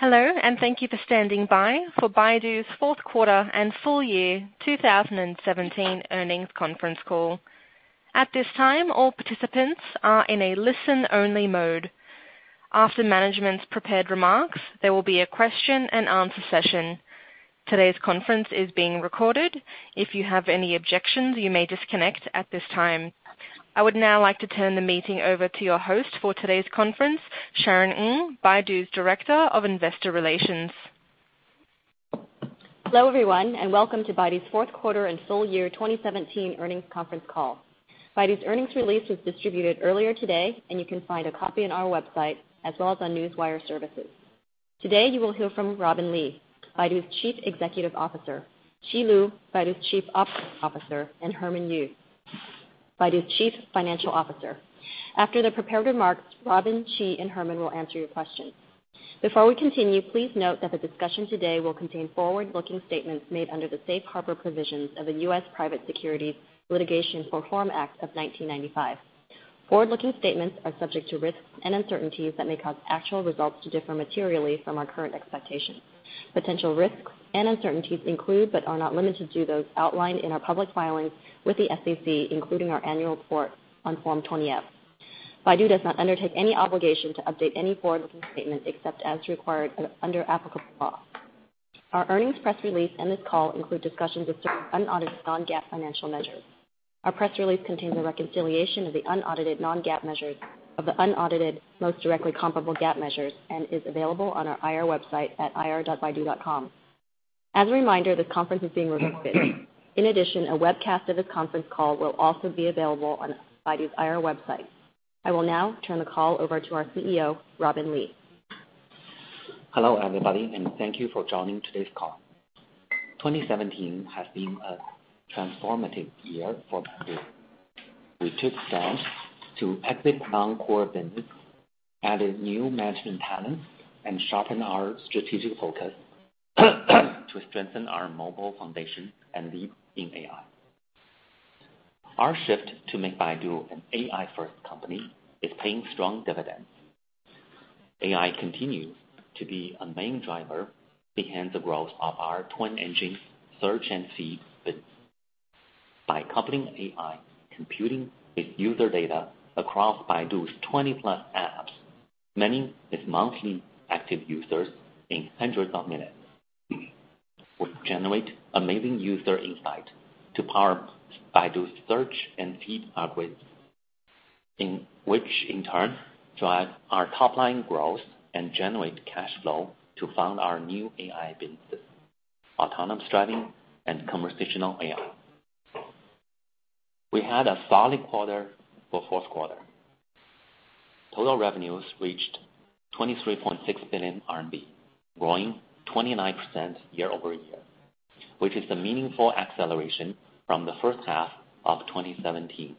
Hello, and thank you for standing by for Baidu's fourth quarter and full year 2017 earnings conference call. At this time, all participants are in a listen-only mode. After management's prepared remarks, there will be a question and answer session. Today's conference is being recorded. If you have any objections, you may disconnect at this time. I would now like to turn the meeting over to your host for today's conference, Sharon Ng, Baidu's Director of Investor Relations. Hello, everyone, and welcome to Baidu's fourth quarter and full year 2017 earnings conference call. Baidu's earnings release was distributed earlier today, and you can find a copy on our website as well as on Newswire Services. Today, you will hear from Robin Li, Baidu's Chief Executive Officer; Qi Lu, Baidu's Chief Operating Officer; and Herman Yu, Baidu's Chief Financial Officer. After the prepared remarks, Robin, Qi, and Herman will answer your questions. Before we continue, please note that the discussion today will contain forward-looking statements made under the Safe Harbor Provisions of the U.S. Private Securities Litigation Reform Act of 1995. Forward-looking statements are subject to risks and uncertainties that may cause actual results to differ materially from our current expectations. Potential risks and uncertainties include, but are not limited to, those outlined in our public filings with the SEC, including our annual report on Form 20-F. Baidu does not undertake any obligation to update any forward-looking statement except as required under applicable law. Our earnings press release and this call include discussions of certain unaudited non-GAAP financial measures. Our press release contains a reconciliation of the unaudited non-GAAP measures of the unaudited most directly comparable GAAP measures and is available on our IR website at ir.baidu.com. As a reminder, this conference is being recorded. In addition, a webcast of this conference call will also be available on Baidu's IR website. I will now turn the call over to our CEO, Robin Li. Hello, everybody, and thank you for joining today's call. 2017 has been a transformative year for Baidu. We took steps to exit non-core business, added new management talents, and sharpened our strategic focus to strengthen our mobile foundation and lead in AI. Our shift to make Baidu an AI-first company is paying strong dividends. AI continues to be a main driver behind the growth of our twin engine search and feed business. By coupling AI computing with user data across Baidu's 20-plus apps, mining its monthly active users in hundreds of millions, we generate amazing user insight to power Baidu's search and feed algorithms, which in turn drive our top-line growth and generate cash flow to fund our new AI businesses, autonomous driving and conversational AI. We had a solid quarter for fourth quarter. Total revenues reached 23.6 billion RMB, growing 29% year-over-year, which is a meaningful acceleration from the first half of 2017.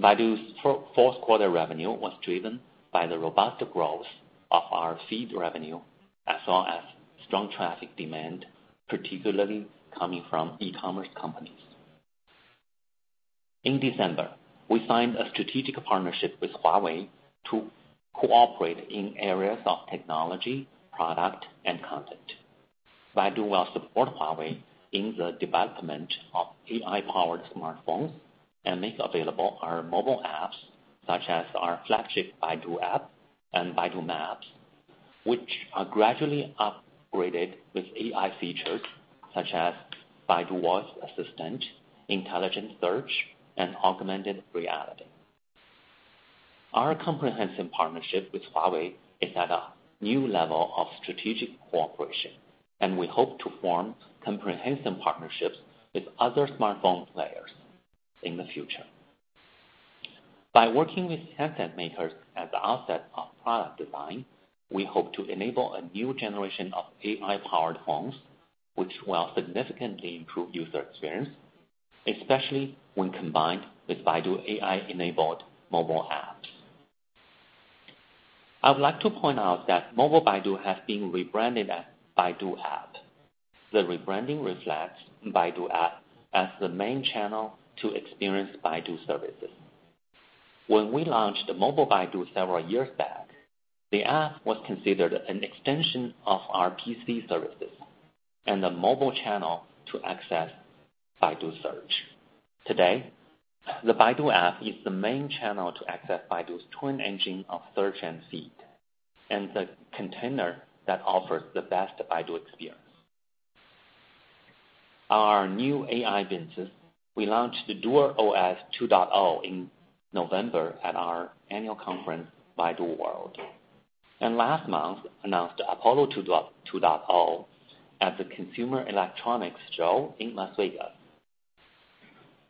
Baidu's fourth quarter revenue was driven by the robust growth of our Feed revenue, as well as strong traffic demand, particularly coming from e-commerce companies. In December, we signed a strategic partnership with Huawei to cooperate in areas of technology, product, and content. Baidu will support Huawei in the development of AI-powered smartphones and make available our mobile apps such as our flagship Baidu App and Baidu Maps, which are gradually upgraded with AI features such as Baidu Voice Assistant, intelligent search, and augmented reality. Our comprehensive partnership with Huawei is at a new level of strategic cooperation. We hope to form comprehensive partnerships with other smartphone players in the future. By working with handset makers at the outset of product design, we hope to enable a new generation of AI-powered phones, which will significantly improve user experience, especially when combined with Baidu AI-enabled mobile apps. I would like to point out that Mobile Baidu has been rebranded as Baidu App. The rebranding reflects Baidu App as the main channel to experience Baidu services. When we launched Mobile Baidu several years back, the app was considered an extension of our PC services and the mobile channel to access Baidu Search. Today, the Baidu App is the main channel to access Baidu's twin engine of Search and Feed, and the container that offers the best Baidu experience. On our new AI business, we launched the DuerOS 2.0 in November at our annual conference, Baidu World, and last month announced Apollo 2.0 at the Consumer Electronics Show in Las Vegas.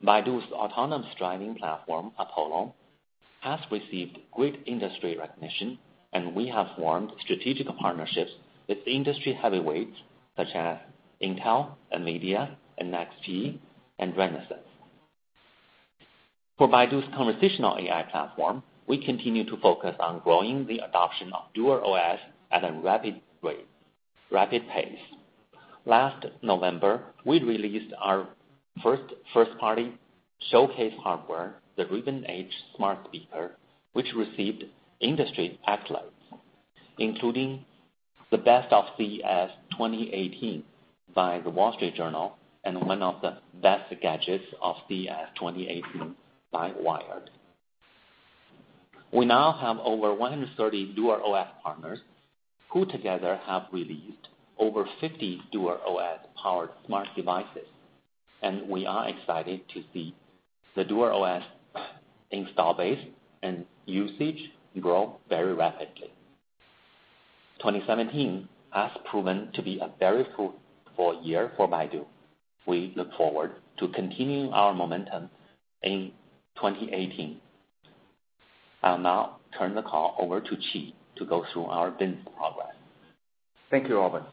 Baidu's autonomous driving platform, Apollo, has received great industry recognition, and we have formed strategic partnerships with industry heavyweights such as Intel, NVIDIA, NXP, and Renesas. For Baidu's conversational AI platform, we continue to focus on growing the adoption of DuerOS at a rapid pace. Last November, we released our first-party showcase hardware, the Raven H Smart Speaker, which received industry accolades, including the Best of CES 2018 by The Wall Street Journal, and one of the best gadgets of CES 2018 by Wired. We now have over 130 DuerOS partners who together have released over 50 DuerOS-powered smart devices. We are excited to see the DuerOS install base and usage grow very rapidly. 2017 has proven to be a very fruitful year for Baidu. We look forward to continuing our momentum in 2018. I'll now turn the call over to Qi to go through our business progress. Thank you, Robin.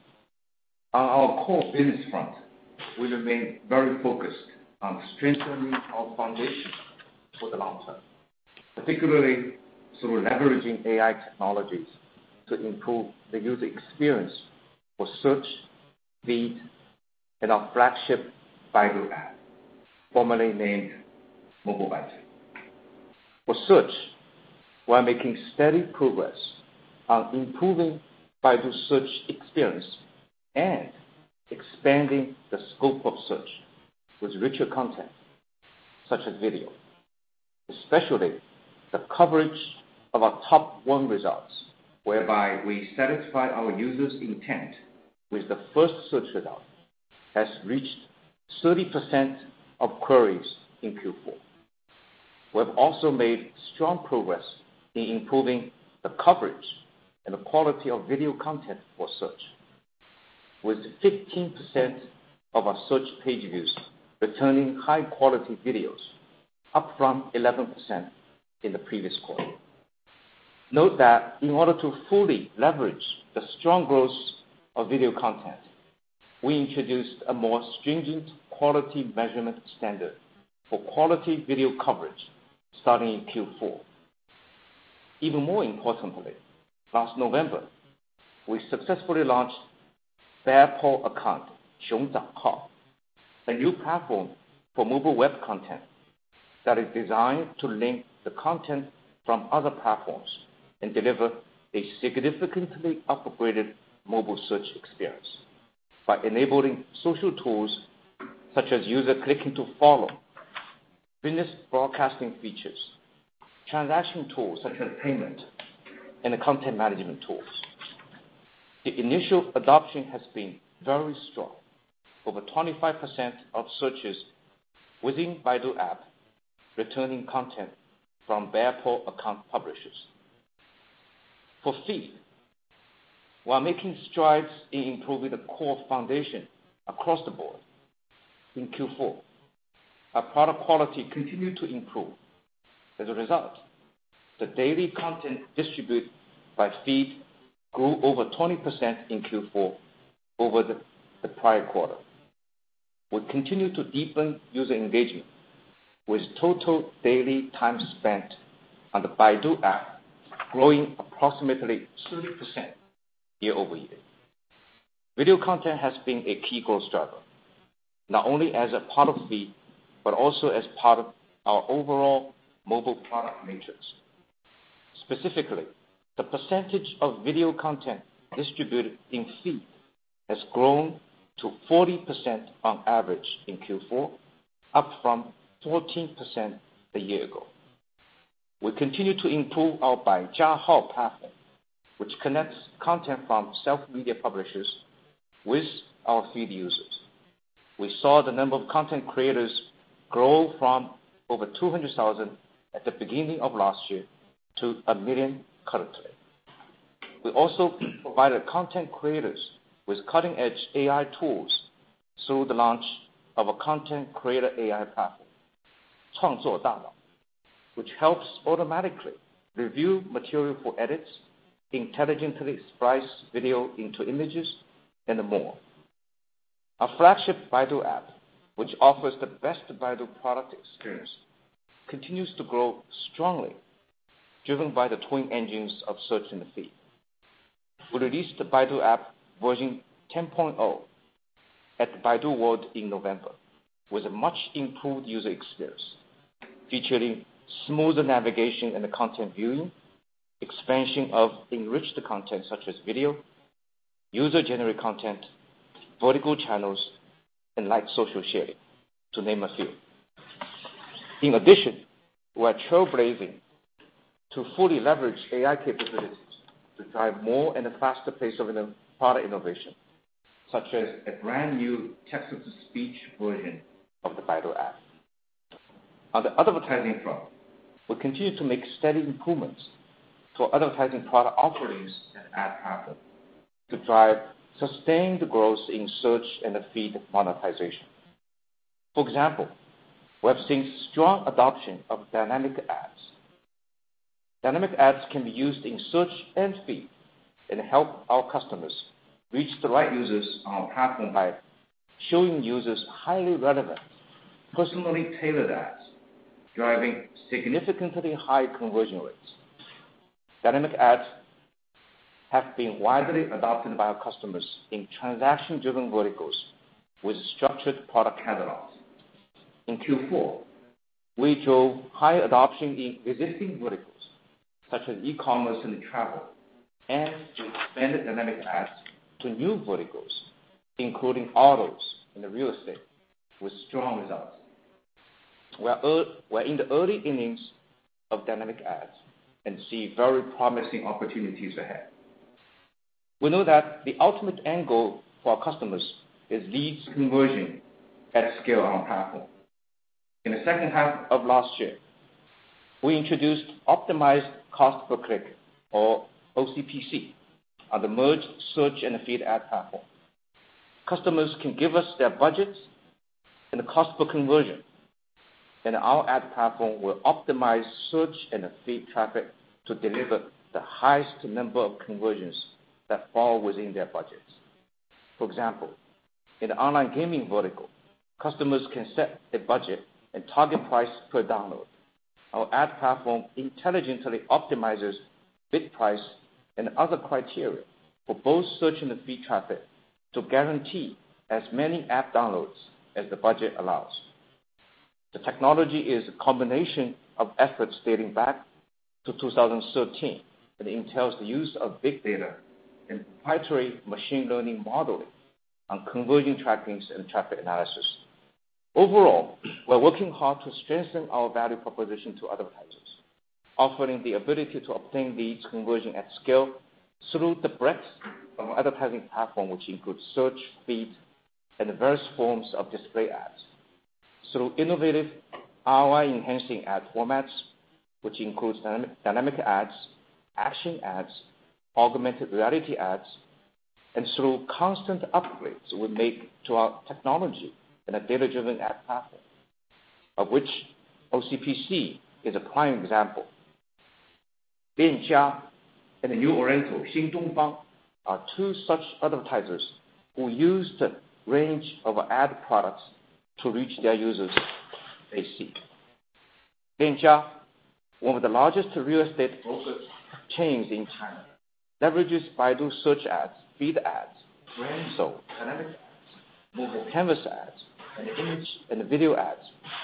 On our core business front, we remain very focused on strengthening our foundation for the long term, particularly through leveraging AI technologies to improve the user experience for Search, Feed, and our flagship Baidu App, formerly named Mobile Baidu. For Search, we're making steady progress on improving Baidu's Search experience and expanding the scope of Search with richer content such as video. Especially the coverage of our top one results, whereby we satisfy our users' intent with the first Search result, has reached 30% of queries in Q4. We have also made strong progress in improving the coverage and the quality of video content for Search. With 15% of our Search page views returning high-quality videos, up from 11% in the previous quarter. Note that in order to fully leverage the strong growth of video content, we introduced a more stringent quality measurement standard for quality video coverage starting in Q4. Even more importantly, last November, we successfully launched Bear Paw Account, Xiong.com, a new platform for mobile web content that is designed to link the content from other platforms, and deliver a significantly upgraded mobile search experience by enabling social tools such as user clicking to follow, business broadcasting features, transaction tools such as payment, and the content management tools. The initial adoption has been very strong. Over 25% of searches within Baidu App, returning content from Bear Paw Account publishers. For Feed, we're making strides in improving the core foundation across the board. In Q4, our product quality continued to improve. As a result, the daily content distributed by Feed grew over 20% in Q4 over the prior quarter. We continue to deepen user engagement, with total daily time spent on the Baidu App growing approximately 30% year-over-year. Video content has been a key growth driver, not only as a part of Feed, but also as part of our overall mobile product matrix. Specifically, the percentage of video content distributed in Feed has grown to 40% on average in Q4, up from 14% a year ago. We continue to improve our Baijiahao platform, which connects content from self-media publishers with our Feed users. We saw the number of content creators grow from over 200,000 at the beginning of last year to 1 million currently. We also provided content creators with cutting-edge AI tools through the launch of a content creator AI platform, which helps automatically review material for edits, intelligently splice video into images, and more. Our flagship Baidu App, which offers the best Baidu product experience, continues to grow strongly, driven by the twin engines of Search and Feed. We released the Baidu App version 10.0 at Baidu World in November, with a much improved user experience featuring smoother navigation and the content viewing, expansion of enriched content such as video, user-generated content, vertical channels, and light social sharing, to name a few. In addition, we're trailblazing to fully leverage AI capabilities to drive more and a faster pace of product innovation, such as a brand new text-to-speech version of the Baidu App. On the advertising front, we continue to make steady improvements to our advertising product offerings and ad platform to drive sustained growth in Search and Feed monetization. For example, we have seen strong adoption of dynamic ads. Dynamic ads can be used in Search and Feed, and help our customers reach the right users on our platform by showing users highly relevant, personally tailored ads, driving significantly high conversion rates. Dynamic ads have been widely adopted by our customers in transaction-driven verticals with structured product catalogs. In Q4, we drove high adoption in existing verticals such as e-commerce and travel, and we expanded dynamic ads to new verticals, including autos and real estate, with strong results. We're in the early innings of dynamic ads and see very promising opportunities ahead. We know that the ultimate end goal for our customers is leads conversion at scale on our platform. In the second half of last year, we introduced optimized cost-per-click, or OCPC, on the merged search and feed ad platform. Customers can give us their budgets and the cost per conversion, and our ad platform will optimize search and feed traffic to deliver the highest number of conversions that fall within their budgets. For example, in the online gaming vertical, customers can set a budget and target price per download. Our ad platform intelligently optimizes bid price and other criteria for both search and feed traffic to guarantee as many app downloads as the budget allows. The technology is a combination of efforts dating back to 2013. It entails the use of big data and proprietary machine learning modeling on conversion trackings and traffic analysis. Overall, we're working hard to strengthen our value proposition to advertisers. Offering the ability to obtain leads conversion at scale through the breadth of our advertising platform, which includes search, feed, and various forms of display ads. Through innovative ROI-enhancing ad formats, which includes dynamic ads, action ads, augmented reality ads, and through constant upgrades we make to our technology and a data-driven ad platform, of which OCPC is a prime example. Lianjia and New Oriental, Xindongfang, are two such advertisers who use the range of ad products to reach their users they seek. Lianjia, one of the largest real estate broker chains in China, leverages Baidu search ads, feed ads, brand show, dynamic ads, mobile canvas ads, and image and video ads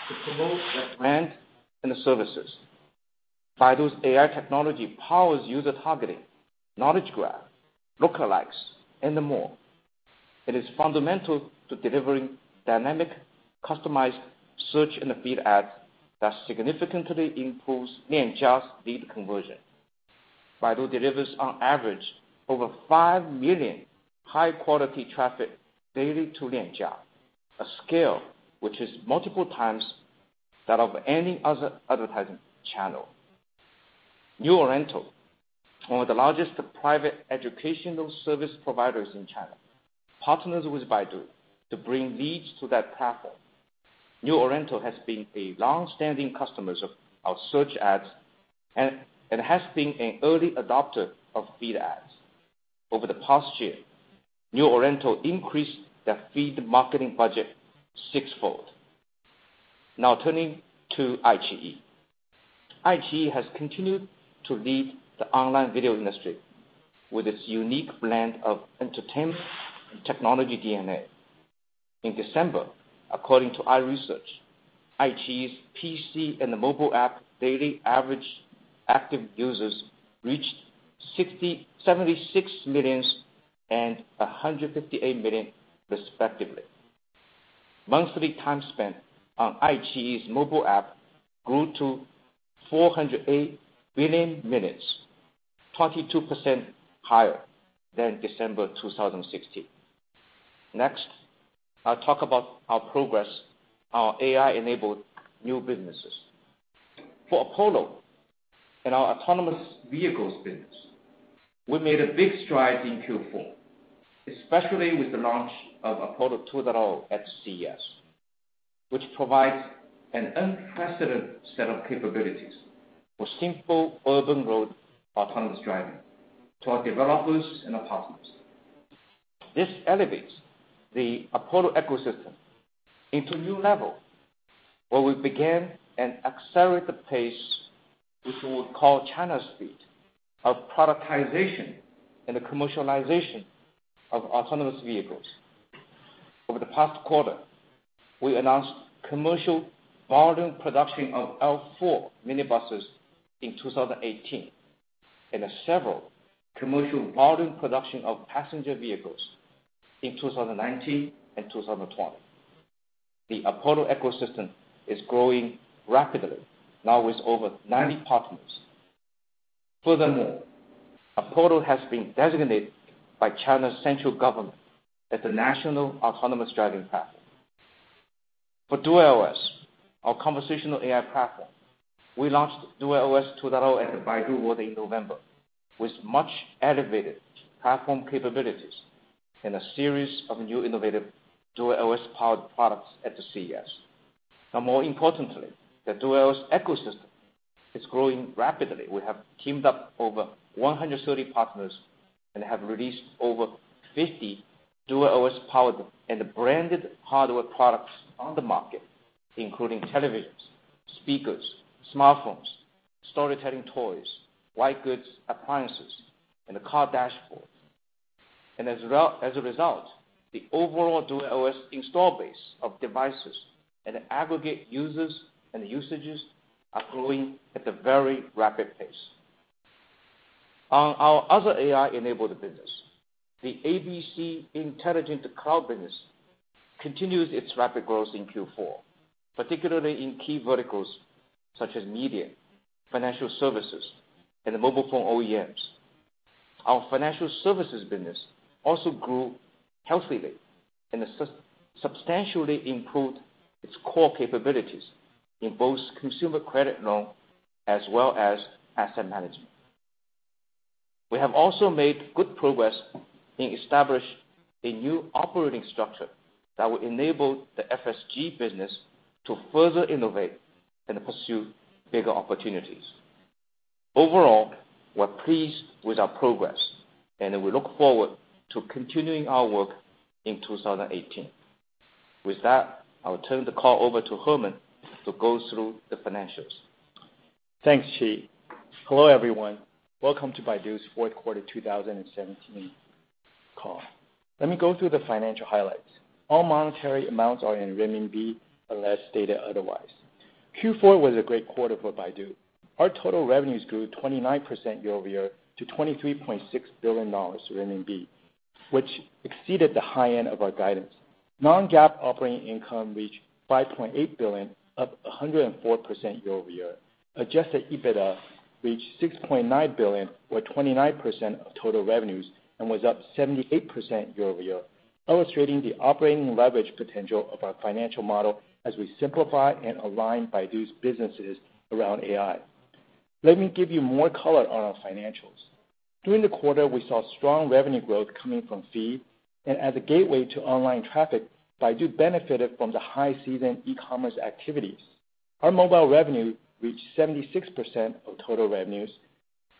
to promote their brand and services. Baidu's AI technology powers user targeting, knowledge graph, lookalikes, and more. It is fundamental to delivering dynamic, customized search and feed ads that significantly improves Lianjia's lead conversion. Baidu delivers on average over 5 million high-quality traffic daily to Lianjia, a scale which is multiple times that of any other advertising channel. New Oriental, one of the largest private educational service providers in China, partners with Baidu to bring leads to that platform. New Oriental has been a long-standing customer of our search ads and has been an early adopter of feed ads. Over the past year, New Oriental increased their feed marketing budget sixfold. Now turning to iQIYI. iQIYI has continued to lead the online video industry with its unique blend of entertainment and technology DNA. In December, according to our research, iQIYI's PC and mobile app daily average active users reached 76 million and 158 million respectively. Monthly time spent on iQIYI's mobile app grew to 408 billion minutes, 22% higher than December 2016. Next, I'll talk about our progress on our AI-enabled new businesses. For Apollo and our autonomous vehicles business, we made a big stride in Q4, especially with the launch of Apollo 2.0 at CES, which provides an unprecedented set of capabilities for simple urban road autonomous driving to our developers and partners. This elevates the Apollo ecosystem into a new level where we begin and accelerate the pace, which we'll call China's speed, of productization and the commercialization of autonomous vehicles. Over the past quarter, we announced commercial volume production of L4 minibuses in 2018 and several commercial volume production of passenger vehicles in 2019 and 2020. The Apollo ecosystem is growing rapidly, now with over 90 partners. Furthermore, Apollo has been designated by China's central government as the national autonomous driving platform. For DuerOS, our conversational AI platform, we launched DuerOS 2.0 at Baidu World in November, with much elevated platform capabilities and a series of new innovative DuerOS-powered products at the CES. More importantly, the DuerOS ecosystem is growing rapidly. We have teamed up over 130 partners and have released over 50 DuerOS-powered and branded hardware products on the market, including televisions, speakers, smartphones, storytelling toys, white goods, appliances, and a car dashboard. As a result, the overall DuerOS install base of devices and aggregate users and usages are growing at a very rapid pace. On our other AI-enabled business, the ABC intelligent cloud business continues its rapid growth in Q4, particularly in key verticals such as media, financial services, and mobile phone OEMs. Our financial services business also grew healthily and substantially improved its core capabilities in both consumer credit loan as well as asset management. We have also made good progress in establishing a new operating structure that will enable the FSG business to further innovate and pursue bigger opportunities. Overall, we're pleased with our progress, and we look forward to continuing our work in 2018. With that, I'll turn the call over to Herman to go through the financials. Thanks, Qi. Hello, everyone. Welcome to Baidu's fourth quarter 2017 call. Let me go through the financial highlights. All monetary amounts are in CNY, unless stated otherwise. Q4 was a great quarter for Baidu. Our total revenues grew 29% year-over-year to CNY 23.6 billion, which exceeded the high end of our guidance. Non-GAAP operating income reached 5.8 billion, up 104% year-over-year. Adjusted EBITDA reached 6.9 billion, or 29% of total revenues, and was up 78% year-over-year, illustrating the operating leverage potential of our financial model as we simplify and align Baidu's businesses around AI. Let me give you more color on our financials. During the quarter, we saw strong revenue growth coming from Feed. As a gateway to online traffic, Baidu benefited from the high-season e-commerce activities. Our mobile revenue reached 76% of total revenues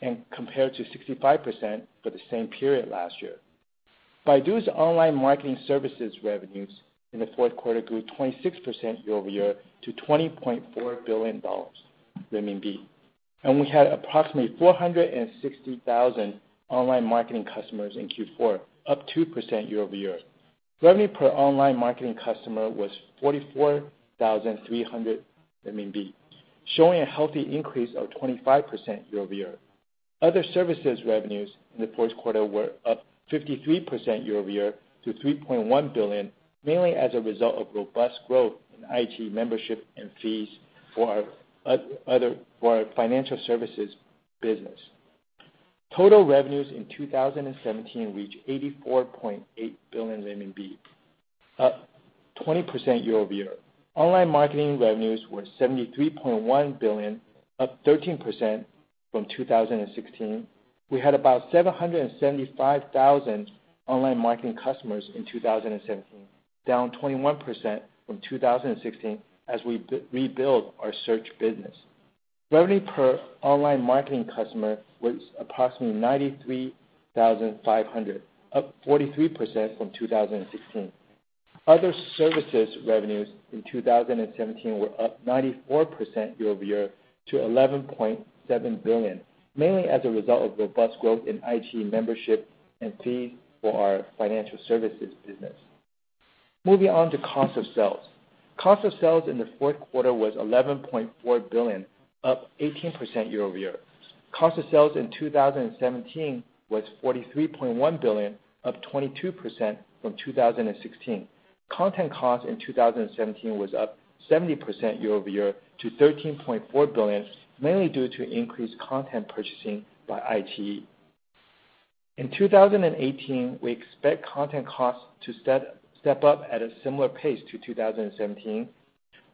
and compared to 65% for the same period last year. Baidu's online marketing services revenues in the fourth quarter grew 26% year-over-year to CNY 20.4 billion. We had approximately 460,000 online marketing customers in Q4, up 2% year-over-year. Revenue per online marketing customer was 44,300 RMB, showing a healthy increase of 25% year-over-year. Other services revenues in the fourth quarter were up 53% year-over-year to 3.1 billion, mainly as a result of robust growth in iQIYI membership and fees for our financial services business. Total revenues in 2017 reached 84.8 billion RMB, up 20% year-over-year. Online marketing revenues were 73.1 billion, up 13% from 2016. We had about 775,000 online marketing customers in 2017, down 21% from 2016 as we rebuild our search business. Revenue per online marketing customer was approximately 93,500, up 43% from 2016. Other services revenues in 2017 were up 94% year-over-year to CNY 11.7 billion, mainly as a result of robust growth in iQIYI membership and fees for our financial services business. Moving on to cost of sales. Cost of sales in the fourth quarter was 11.4 billion, up 18% year-over-year. Cost of sales in 2017 was 43.1 billion, up 22% from 2016. Content cost in 2017 was up 70% year-over-year to 13.4 billion, mainly due to increased content purchasing by iQIYI. In 2018, we expect content costs to step up at a similar pace to 2017.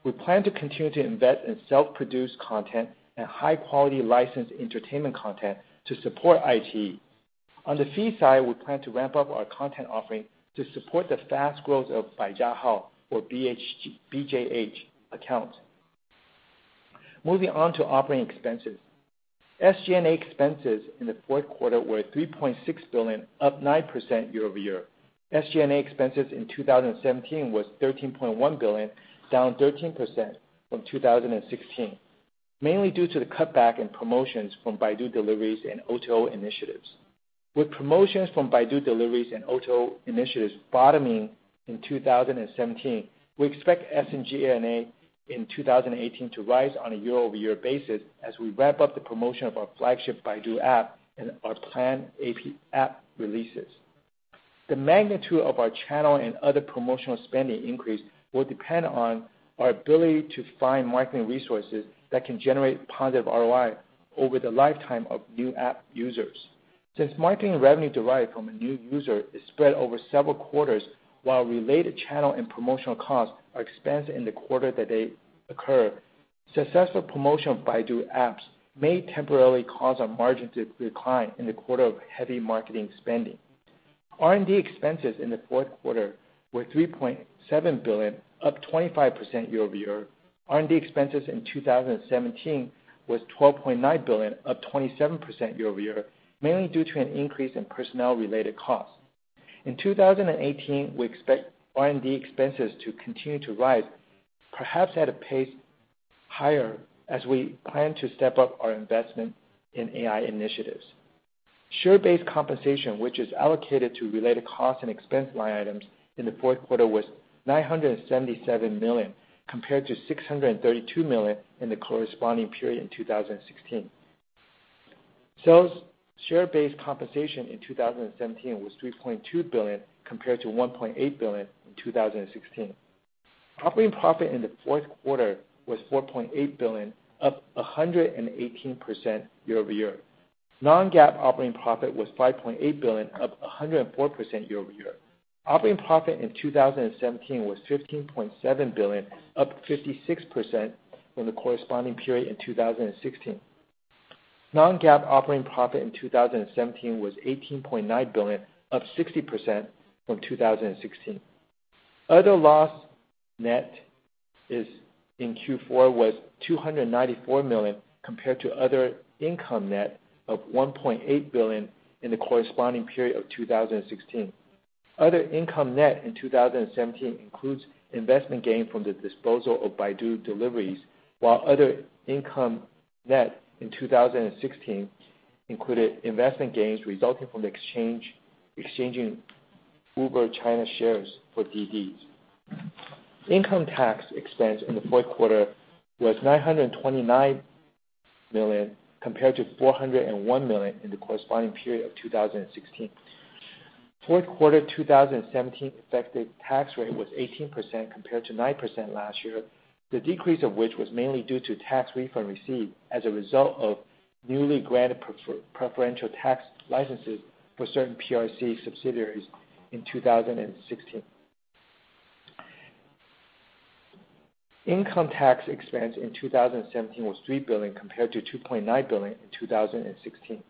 We plan to continue to invest in self-produced content and high-quality licensed entertainment content to support iQIYI. On the fee side, we plan to ramp up our content offering to support the fast growth of Baijiahao or BJH accounts. Moving on to operating expenses. SG&A expenses in the fourth quarter were 3.6 billion, up 9% year-over-year. SG&A expenses in 2017 was 13.1 billion, down 13% from 2016, mainly due to the cutback in promotions from Baidu Waimai and O2O initiatives. With promotions from Baidu Waimai and O2O initiatives bottoming in 2017, we expect SG&A in 2018 to rise on a year-over-year basis as we ramp up the promotion of our flagship Baidu App and our planned app releases. The magnitude of our channel and other promotional spending increase will depend on our ability to find marketing resources that can generate positive ROI over the lifetime of new app users. Since marketing revenue derived from a new user is spread over several quarters while related channel and promotional costs are expensed in the quarter that they occur, successful promotion of Baidu Apps may temporarily cause our margin to decline in the quarter of heavy marketing spending. R&D expenses in the fourth quarter were 3.7 billion, up 25% year-over-year. R&D expenses in 2017 was 12.9 billion, up 27% year-over-year, mainly due to an increase in personnel-related costs. In 2018, we expect R&D expenses to continue to rise, perhaps at a pace higher, as we plan to step up our investment in AI initiatives. Share-based compensation, which is allocated to related cost and expense line items in the fourth quarter was 977 million, compared to 632 million in the corresponding period in 2016. Sales share-based compensation in 2017 was 3.2 billion, compared to 1.8 billion in 2016. Operating profit in the fourth quarter was 4.8 billion, up 118% year-over-year. Non-GAAP operating profit was 5.8 billion, up 104% year-over-year. Operating profit in 2017 was 15.7 billion, up 56% from the corresponding period in 2016. Non-GAAP operating profit in 2017 was 18.9 billion, up 60% from 2016. Other loss net in Q4 was 294 million, compared to other income net of 1.8 billion in the corresponding period of 2016. Other income net in 2017 includes investment gain from the disposal of Baidu Waimai, while other income net in 2016 included investment gains resulting from exchanging Uber China shares for Didi. Income tax expense in the fourth quarter was 929 million, compared to 401 million in the corresponding period of 2016. Fourth quarter 2017 effective tax rate was 18%, compared to 9% last year, the decrease of which was mainly due to tax refund received as a result of newly granted preferential tax licenses for certain PRC subsidiaries in 2016. Income tax expense in 2017 was 3 billion compared to 2.9 billion in 2016.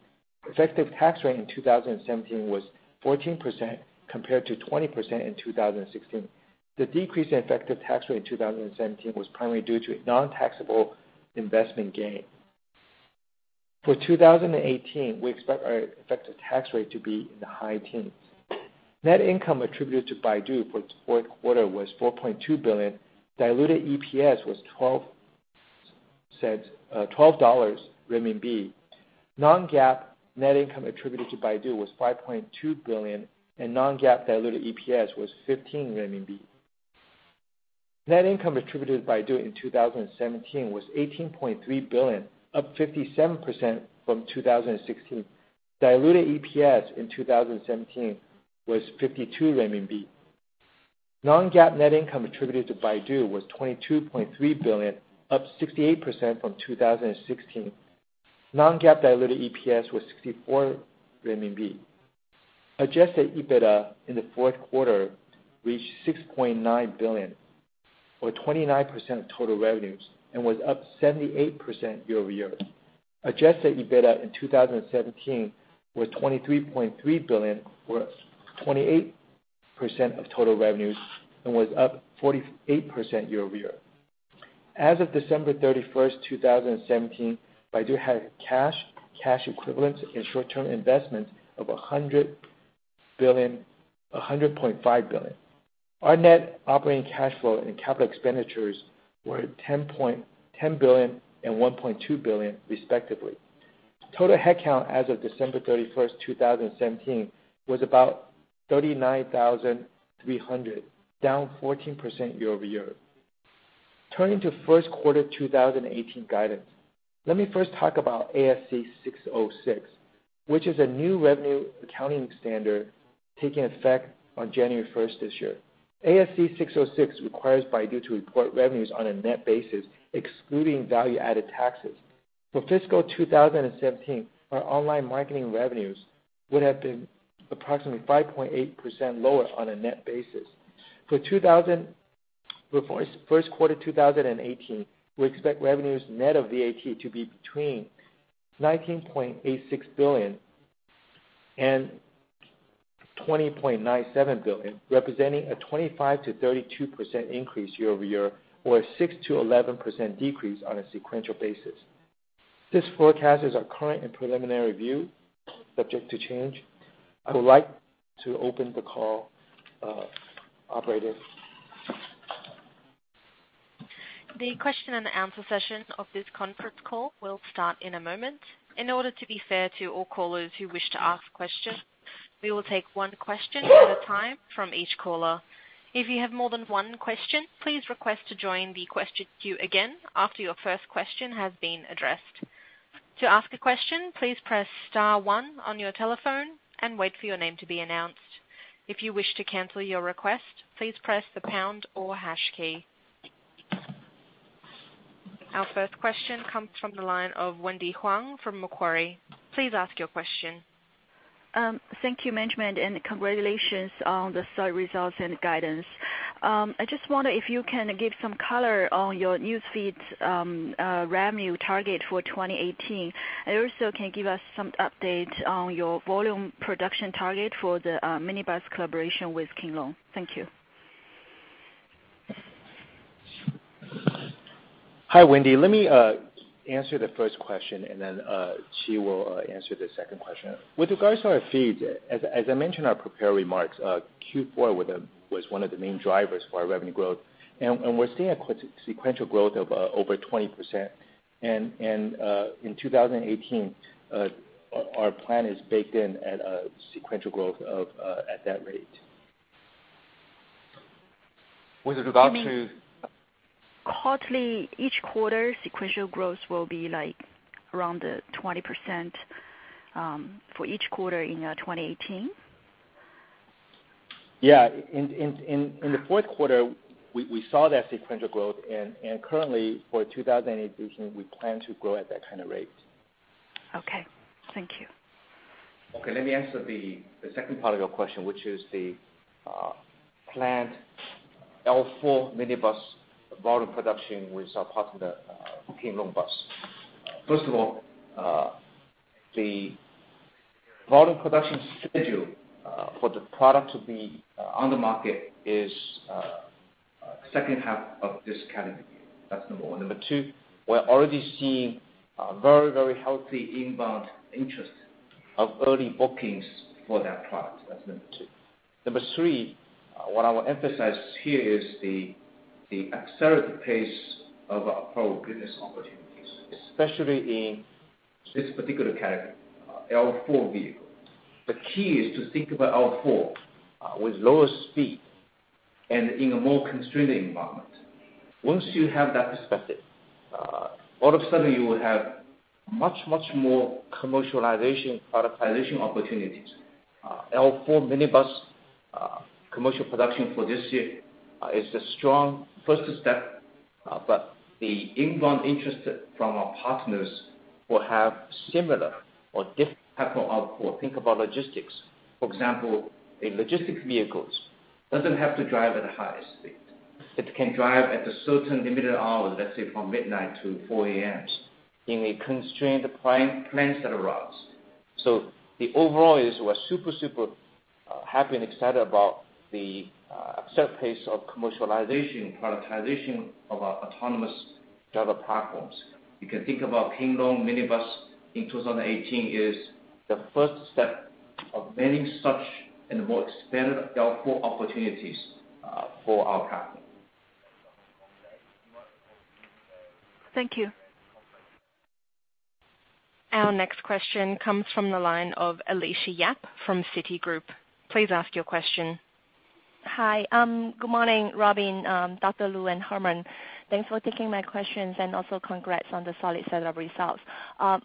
Effective tax rate in 2017 was 14%, compared to 20% in 2016. The decrease in effective tax rate in 2017 was primarily due to a non-taxable investment gain. For 2018, we expect our effective tax rate to be in the high teens. Net income attributed to Baidu for the fourth quarter was 4.2 billion. Diluted EPS was 12. Non-GAAP net income attributed to Baidu was 5.2 billion, and non-GAAP diluted EPS was 15 renminbi. Net income attributed to Baidu in 2017 was 18.3 billion, up 57% from 2016. Diluted EPS in 2017 was 52 renminbi. Non-GAAP net income attributed to Baidu was 22.3 billion, up 68% from 2016. Non-GAAP diluted EPS was 64 RMB. Adjusted EBITDA in the fourth quarter reached 6.9 billion or 29% of total revenues and was up 78% year-over-year. Adjusted EBITDA in 2017 was 23.3 billion, or 28% of total revenues and was up 48% year-over-year. As of December 31st, 2017, Baidu had cash equivalents, and short-term investments of 100.5 billion. Our net operating cash flow and capital expenditures were 10 billion and 1.2 billion respectively. Total headcount as of December 31st, 2017, was about 39,300, down 14% year-over-year. Turning to first quarter 2018 guidance, let me first talk about ASC 606, which is a new revenue accounting standard taking effect on January 1st this year. ASC 606 requires Baidu to report revenues on a net basis, excluding value-added taxes. For fiscal 2017, our online marketing revenues would have been approximately 5.8% lower on a net basis. For first quarter 2018, we expect revenues net of VAT to be between 19.86 billion and 20.97 billion, representing a 25% to 32% increase year-over-year or a 6% to 11% decrease on a sequential basis. This forecast is our current and preliminary view, subject to change. I would like to open the call, operator. The question and answer session of this conference call will start in a moment. In order to be fair to all callers who wish to ask questions, we will take one question at a time from each caller. If you have more than one question, please request to join the question queue again after your first question has been addressed. To ask a question, please press *1 on your telephone and wait for your name to be announced. If you wish to cancel your request, please press the pound or hash key. Our first question comes from the line of Wendy Huang from Macquarie. Please ask your question. Thank you management. Congratulations on the results and guidance. I just wonder if you can give some color on your newsfeed revenue target for 2018, and also can give us some update on your volume production target for the minibus collaboration with King Long. Thank you. Hi, Wendy. Let me answer the first question and then Qi will answer the second question. With regards to our feeds, as I mentioned in our prepared remarks, Q4 was one of the main drivers for our revenue growth, and we're seeing a sequential growth of over 20%. In 2018, our plan is baked in at a sequential growth at that rate. You mean quarterly, each quarter, sequential growth will be around 20% for each quarter in 2018? Yeah. In the fourth quarter, we saw that sequential growth and currently, for 2018, we plan to grow at that kind of rate. Okay. Thank you. Okay, let me answer the second part of your question, which is the planned L4 minibus volume production with our partner, King Long Bus. First of all, the volume production schedule for the product to be on the market is the second half of this calendar year. That's number 1. Number 2, we're already seeing a very healthy inbound interest of early bookings for that product. That's number 2. Number 3, what I will emphasize here is the accelerated pace of Apollo business opportunities, especially in this particular category, L4 vehicle. The key is to think about L4 with lower speed and in a more constrained environment. Once you have that perspective, all of a sudden you will have much more commercialization, productization opportunities. L4 minibus commercial production for this year is a strong first step, The inbound interest from our partners will have similar or different type of output. Think about logistics. For example, in logistics vehicles, doesn't have to drive at a high speed. It can drive at a certain limited hour, let's say from midnight to 4:00 A.M. in a constrained planned set of routes. Overall, we're super happy and excited about the upset pace of commercialization, productization of our autonomous data platforms. You can think about King Long minibus in 2018 as the first step of many such and more expanded L4 opportunities for our company. Thank you. Our next question comes from the line of Alicia Yap from Citigroup. Please ask your question. Hi. Good morning, Robin, Dr. Lu, and Herman. Thanks for taking my questions, and also congrats on the solid set of results.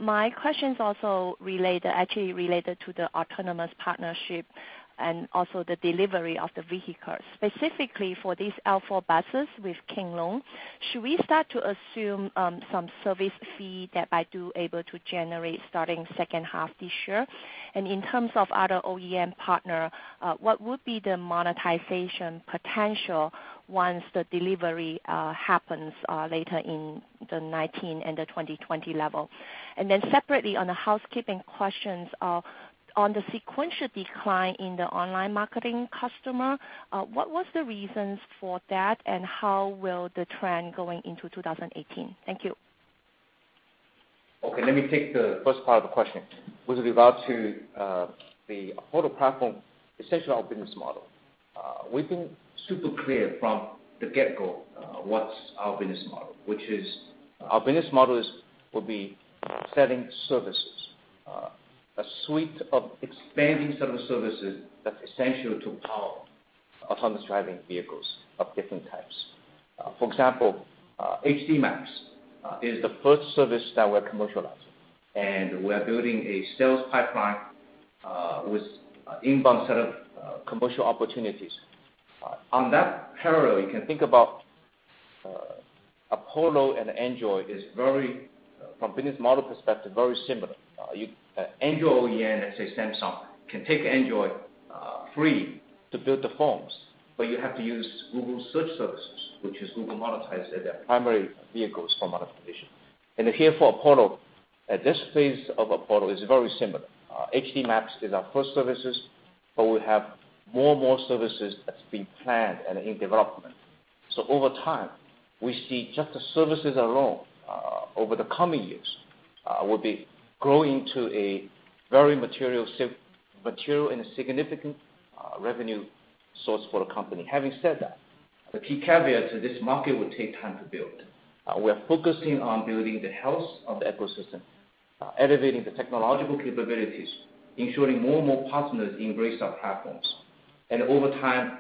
My question's also actually related to the autonomous partnership and also the delivery of the vehicles. Specifically for these L4 buses with King Long, should we start to assume some service fee that Baidu able to generate starting the second half of this year? In terms of other OEM partner, what would be the monetization potential once the delivery happens later in 2019 and the 2020 level? Separately, on the housekeeping questions, on the sequential decline in the online marketing customer, what was the reasons for that, and how will the trend going into 2018? Thank you. Okay, let me take the first part of the question with regard to the Apollo platform, essentially our business model. We've been super clear from the get-go what's our business model, which is our business model will be selling services, a suite of expanding set of services that's essential to power autonomous driving vehicles of different types. For example, HD Maps is the first service that we're commercializing, and we are building a sales pipeline with inbound set of commercial opportunities. On that parallel, you can think about Apollo and Android as very, from business model perspective, very similar. Android OEM, let's say Samsung, can take Android free to build the phones, but you have to use Google search services, which is Google monetized as their primary vehicles for monetization. Here for Apollo, at this phase of Apollo, it's very similar. HD Maps is our first service, but we have more services that's being planned and in development. Over time, we see just the services alone, over the coming years, will be growing to a very material and a significant revenue source for the company. Having said that, the key caveat to this market will take time to build. We are focusing on building the health of the ecosystem, elevating the technological capabilities, ensuring more partners embrace our platforms. Over time,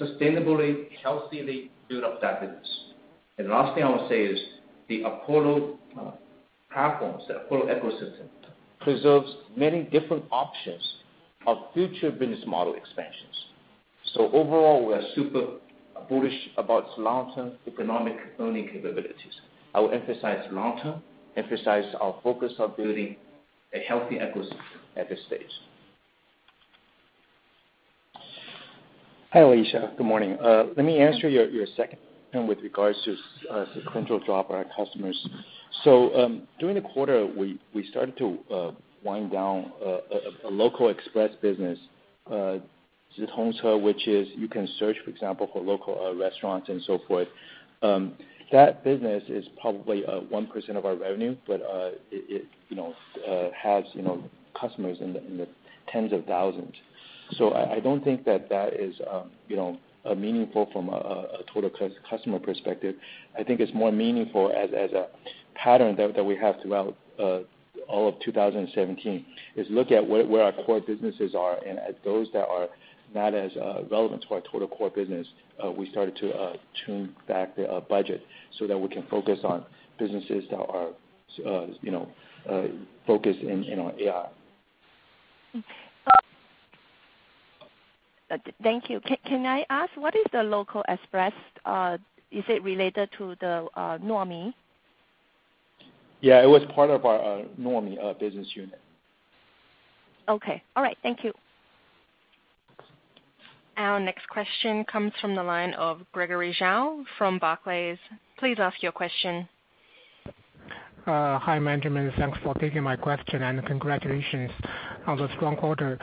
sustainably, healthily build up that business. The last thing I will say is the Apollo platforms, the Apollo ecosystem, preserves many different options of future business model expansions. Overall, we are super bullish about long-term economic earning capabilities. I will emphasize long-term, emphasize our focus on building a healthy ecosystem at this stage. Hi, Alicia. Good morning. Let me answer your second with regards to sequential drop of our customers. During the quarter, we started to wind down a local express business Zhongce, which is you can search, for example, for local restaurants and so forth. That business is probably 1% of our revenue, but it has customers in the tens of thousands. I don't think that is meaningful from a total customer perspective. I think it's more meaningful as a pattern that we have throughout all of 2017, is look at where our core businesses are, and at those that are not as relevant to our total core business, we started to tune back the budget so that we can focus on businesses that are focused in AI. Thank you. Can I ask, what is the Local Express? Is it related to the Nuomi? Yeah, it was part of our Nuomi business unit. Okay. All right, thank you. Our next question comes from the line of Gregory Zhao from Barclays. Please ask your question. Hi, management. Thanks for taking my question, and congratulations on the strong quarter.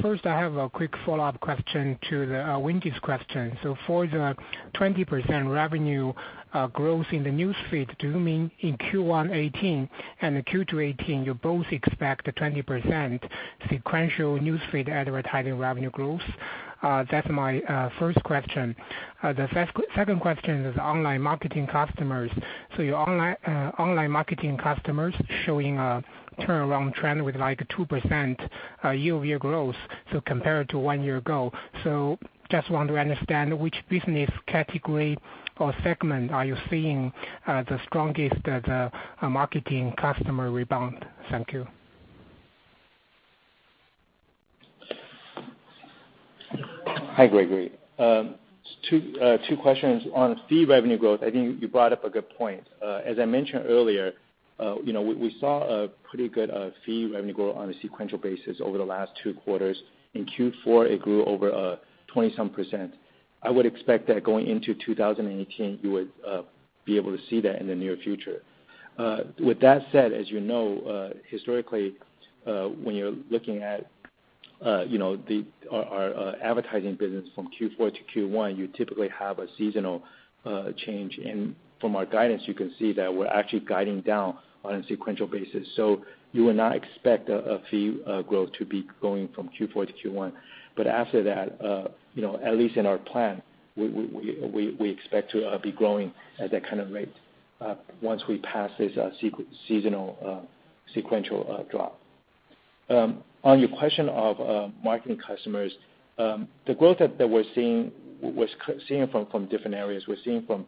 First, I have a quick follow-up question to Wendy's question. For the 20% revenue growth in the news feed, do you mean in Q1 2018 and Q2 2018, you both expect a 20% sequential news feed advertising revenue growth? That's my first question. The second question is online marketing customers. Your online marketing customers showing a turnaround trend with 2% year-over-year growth, compared to one year ago. Just want to understand which business category or segment are you seeing the strongest at marketing customer rebound. Thank you. Hi, Gregory. Two questions. On fee revenue growth, I think you brought up a good point. As I mentioned earlier we saw a pretty good fee revenue growth on a sequential basis over the last two quarters. In Q4, it grew over 20-some %. I would expect that going into 2018, you would be able to see that in the near future. With that said, as you know historically, when you're looking at our advertising business from Q4 to Q1, you typically have a seasonal change. From our guidance, you can see that we're actually guiding down on a sequential basis. You would not expect a fee growth to be going from Q4 to Q1. After that at least in our plan, we expect to be growing at that kind of rate once we pass this seasonal sequential drop. On your question of marketing customers, the growth that we're seeing from different areas, we're seeing from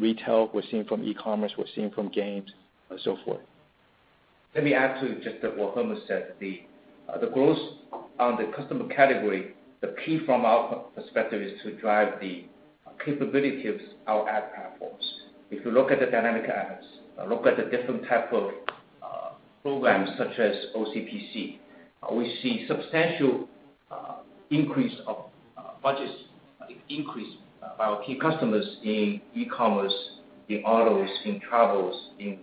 retail, we're seeing from e-commerce, we're seeing from games and so forth. Let me add to just what Herman said. The growth on the customer category, the key from our perspective is to drive the capabilities of our ad platforms. If you look at the dynamic ads, look at the different type of programs such as OCPC, we see substantial increase of budgets, increase by our key customers in e-commerce, in autos, in travels, in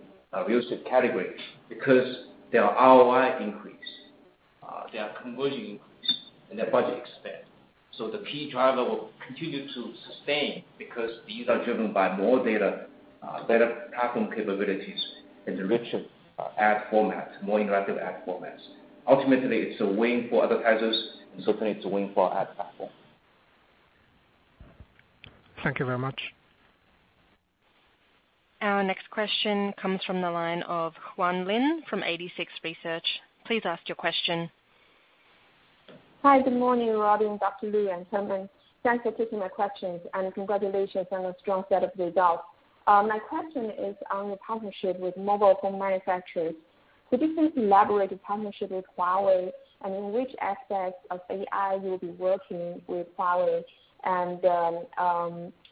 real estate categories because their ROI increase, their conversion increase, and their budget expand. The key driver will continue to sustain because these are driven by more data, better platform capabilities, and richer ad formats, more interactive ad formats. Ultimately, it's a win for advertisers, and certainly it's a win for our ad platform. Thank you very much. Our next question comes from the line of Juan Lin from 86Research. Please ask your question. Hi, good morning, Robin, Dr. Lu, and Herman. Thanks for taking my questions, and congratulations on the strong set of results. My question is on the partnership with mobile phone manufacturers. This is collaborative partnership with Huawei, and in which aspects of AI you'll be working with Huawei?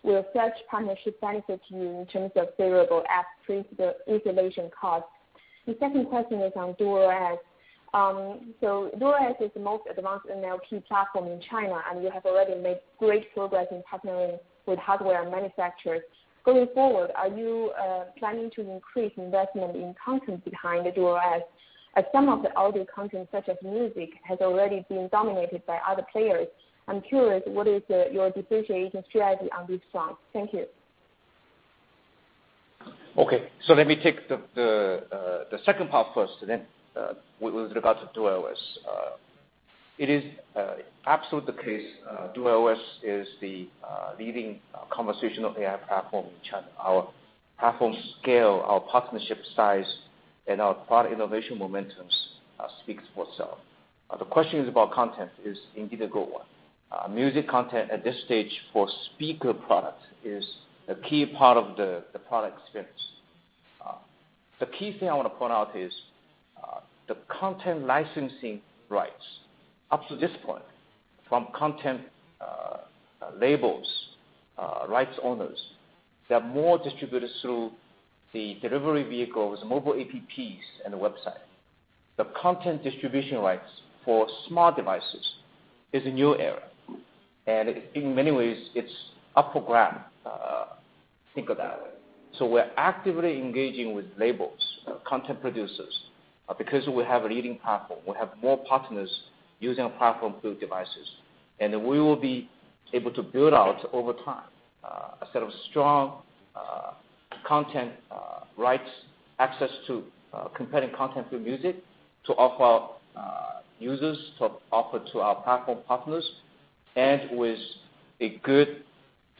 Will such partnership benefit you in terms of variable app pre-installation cost? The second question is on DuerOS. DuerOS is the most advanced NLP platform in China, and you have already made great progress in partnering with hardware manufacturers. Going forward, are you planning to increase investment in content behind the DuerOS, as some of the audio content, such as music, has already been dominated by other players? I'm curious, what is your differentiation strategy on this front? Thank you. Let me take the second part first, with regards to DuerOS. It is absolutely the case. DuerOS is the leading conversational AI platform in China. Our platform scale, our partnership size, and our product innovation momentums speaks for itself. The question is about content is indeed a good one. Music content at this stage for speaker product is a key part of the product experience. The key thing I want to point out is, the content licensing rights up to this point from content labels, rights owners, they are more distributed through the delivery vehicles, mobile apps, and the website. The content distribution rights for smart devices is a new era, and in many ways it's up for grabs. Think of that way. We're actively engaging with labels, content producers, because we have a leading platform. We have more partners using our platform through devices. We will be able to build out over time, a set of strong content rights access to competing content through music to offer our users, to offer to our platform partners, and with a good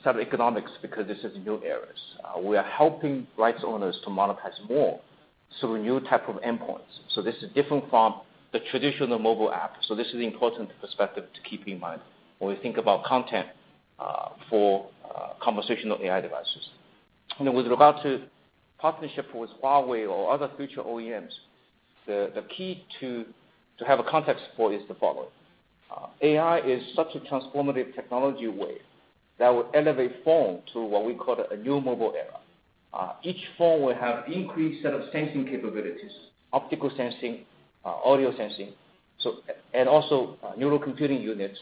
set of economics, because this is new areas. We are helping rights owners to monetize more through new type of endpoints. This is different from the traditional mobile app. This is important perspective to keep in mind when we think about content for conversational AI devices. With regard to partnership with Huawei or other future OEMs, the key to have a context for is the following. AI is such a transformative technology wave that will elevate phone to what we call a new mobile era. Each phone will have increased set of sensing capabilities, optical sensing, audio sensing, and also neural computing units.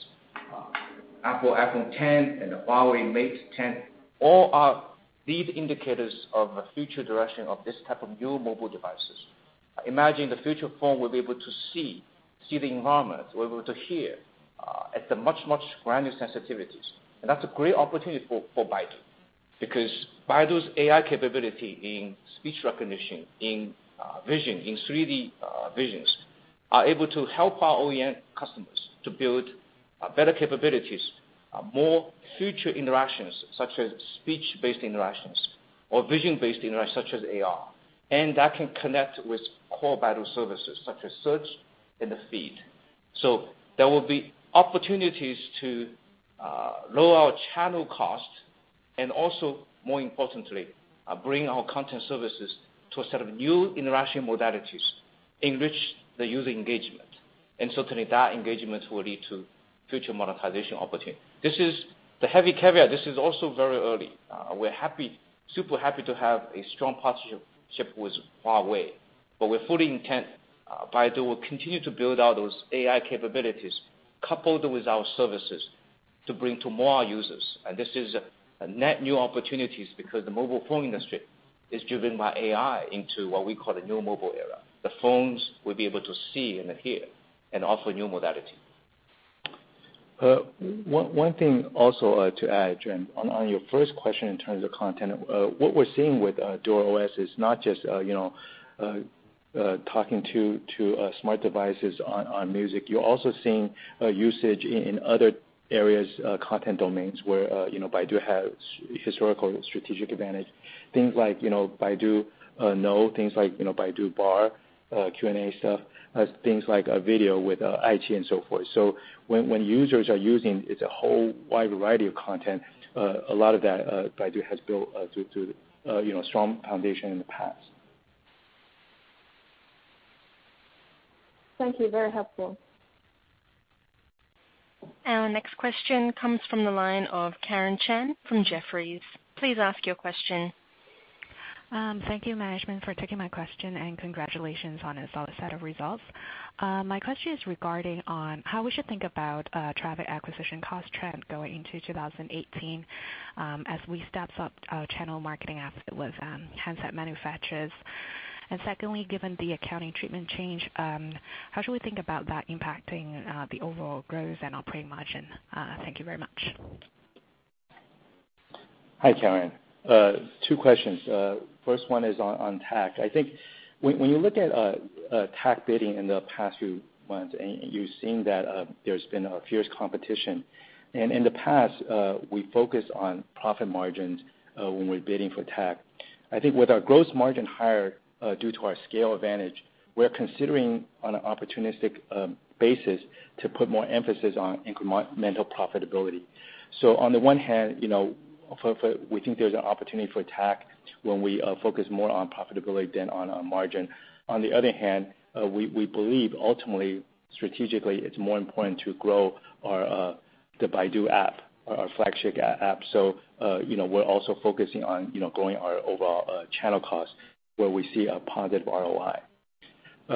Apple iPhone X and the Huawei Mate 10 all are lead indicators of a future direction of this type of new mobile devices. Imagine the future phone will be able to see the environment, will be able to hear at the much, much granular sensitivities. That's a great opportunity for Baidu, because Baidu's AI capability in speech recognition, in vision, in 3D visions, are able to help our OEM customers to build better capabilities, more future interactions, such as speech-based interactions or vision-based interactions such as AR. That can connect with core Baidu services such as Search and the Feed. There will be opportunities to lower our channel costs and also, more importantly, bring our content services to a set of new interaction modalities, enrich the user engagement. Certainly that engagement will lead to future monetization opportunity. The heavy caveat, this is also very early. We're super happy to have a strong partnership with Huawei. We're fully intent, Baidu will continue to build out those AI capabilities coupled with our services to bring to more users. This is a net new opportunities because the mobile phone industry is driven by AI into what we call the new mobile era. The phones will be able to see and hear and offer new modality. One thing also to add, Juan, on your first question in terms of content, what we're seeing with DuerOS is not just talking to smart devices on music. You're also seeing usage in other areas, content domains where Baidu has historical strategic advantage. Things like Baidu Knows, things like Baidu Tieba, Q&A stuff, things like video with iQIYI and so forth. When users are using, it's a whole wide variety of content. A lot of that Baidu has built due to strong foundation in the past. Thank you. Very helpful. Our next question comes from the line of Karen Chan from Jefferies. Please ask your question. Thank you, management, for taking my question. Congratulations on a solid set of results. My question is regarding on how we should think about traffic acquisition cost trend going into 2018 as we staff up our channel marketing effort with handset manufacturers. Secondly, given the accounting treatment change, how should we think about that impacting the overall growth and operating margin? Thank you very much. Hi, Karen. Two questions. First one is on TAC. I think when you look at TAC bidding in the past few months, you've seen that there's been a fierce competition. In the past we focused on profit margins when we're bidding for TAC. I think with our gross margin higher due to our scale advantage, we're considering on an opportunistic basis to put more emphasis on incremental profitability. On the one hand, we think there's an opportunity for TAC when we focus more on profitability than on our margin. On the other hand, we believe ultimately, strategically, it's more important to grow the Baidu App, our flagship app. We're also focusing on growing our overall channel costs where we see a positive ROI.